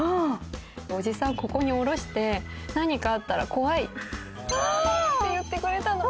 おじさん、ここに降ろして何かあったら怖いって言ってくれたの。